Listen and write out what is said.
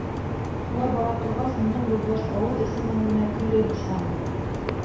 Шулай бара торғас, минең юлдаш ауыҙ эсенән генә көйләй башланы.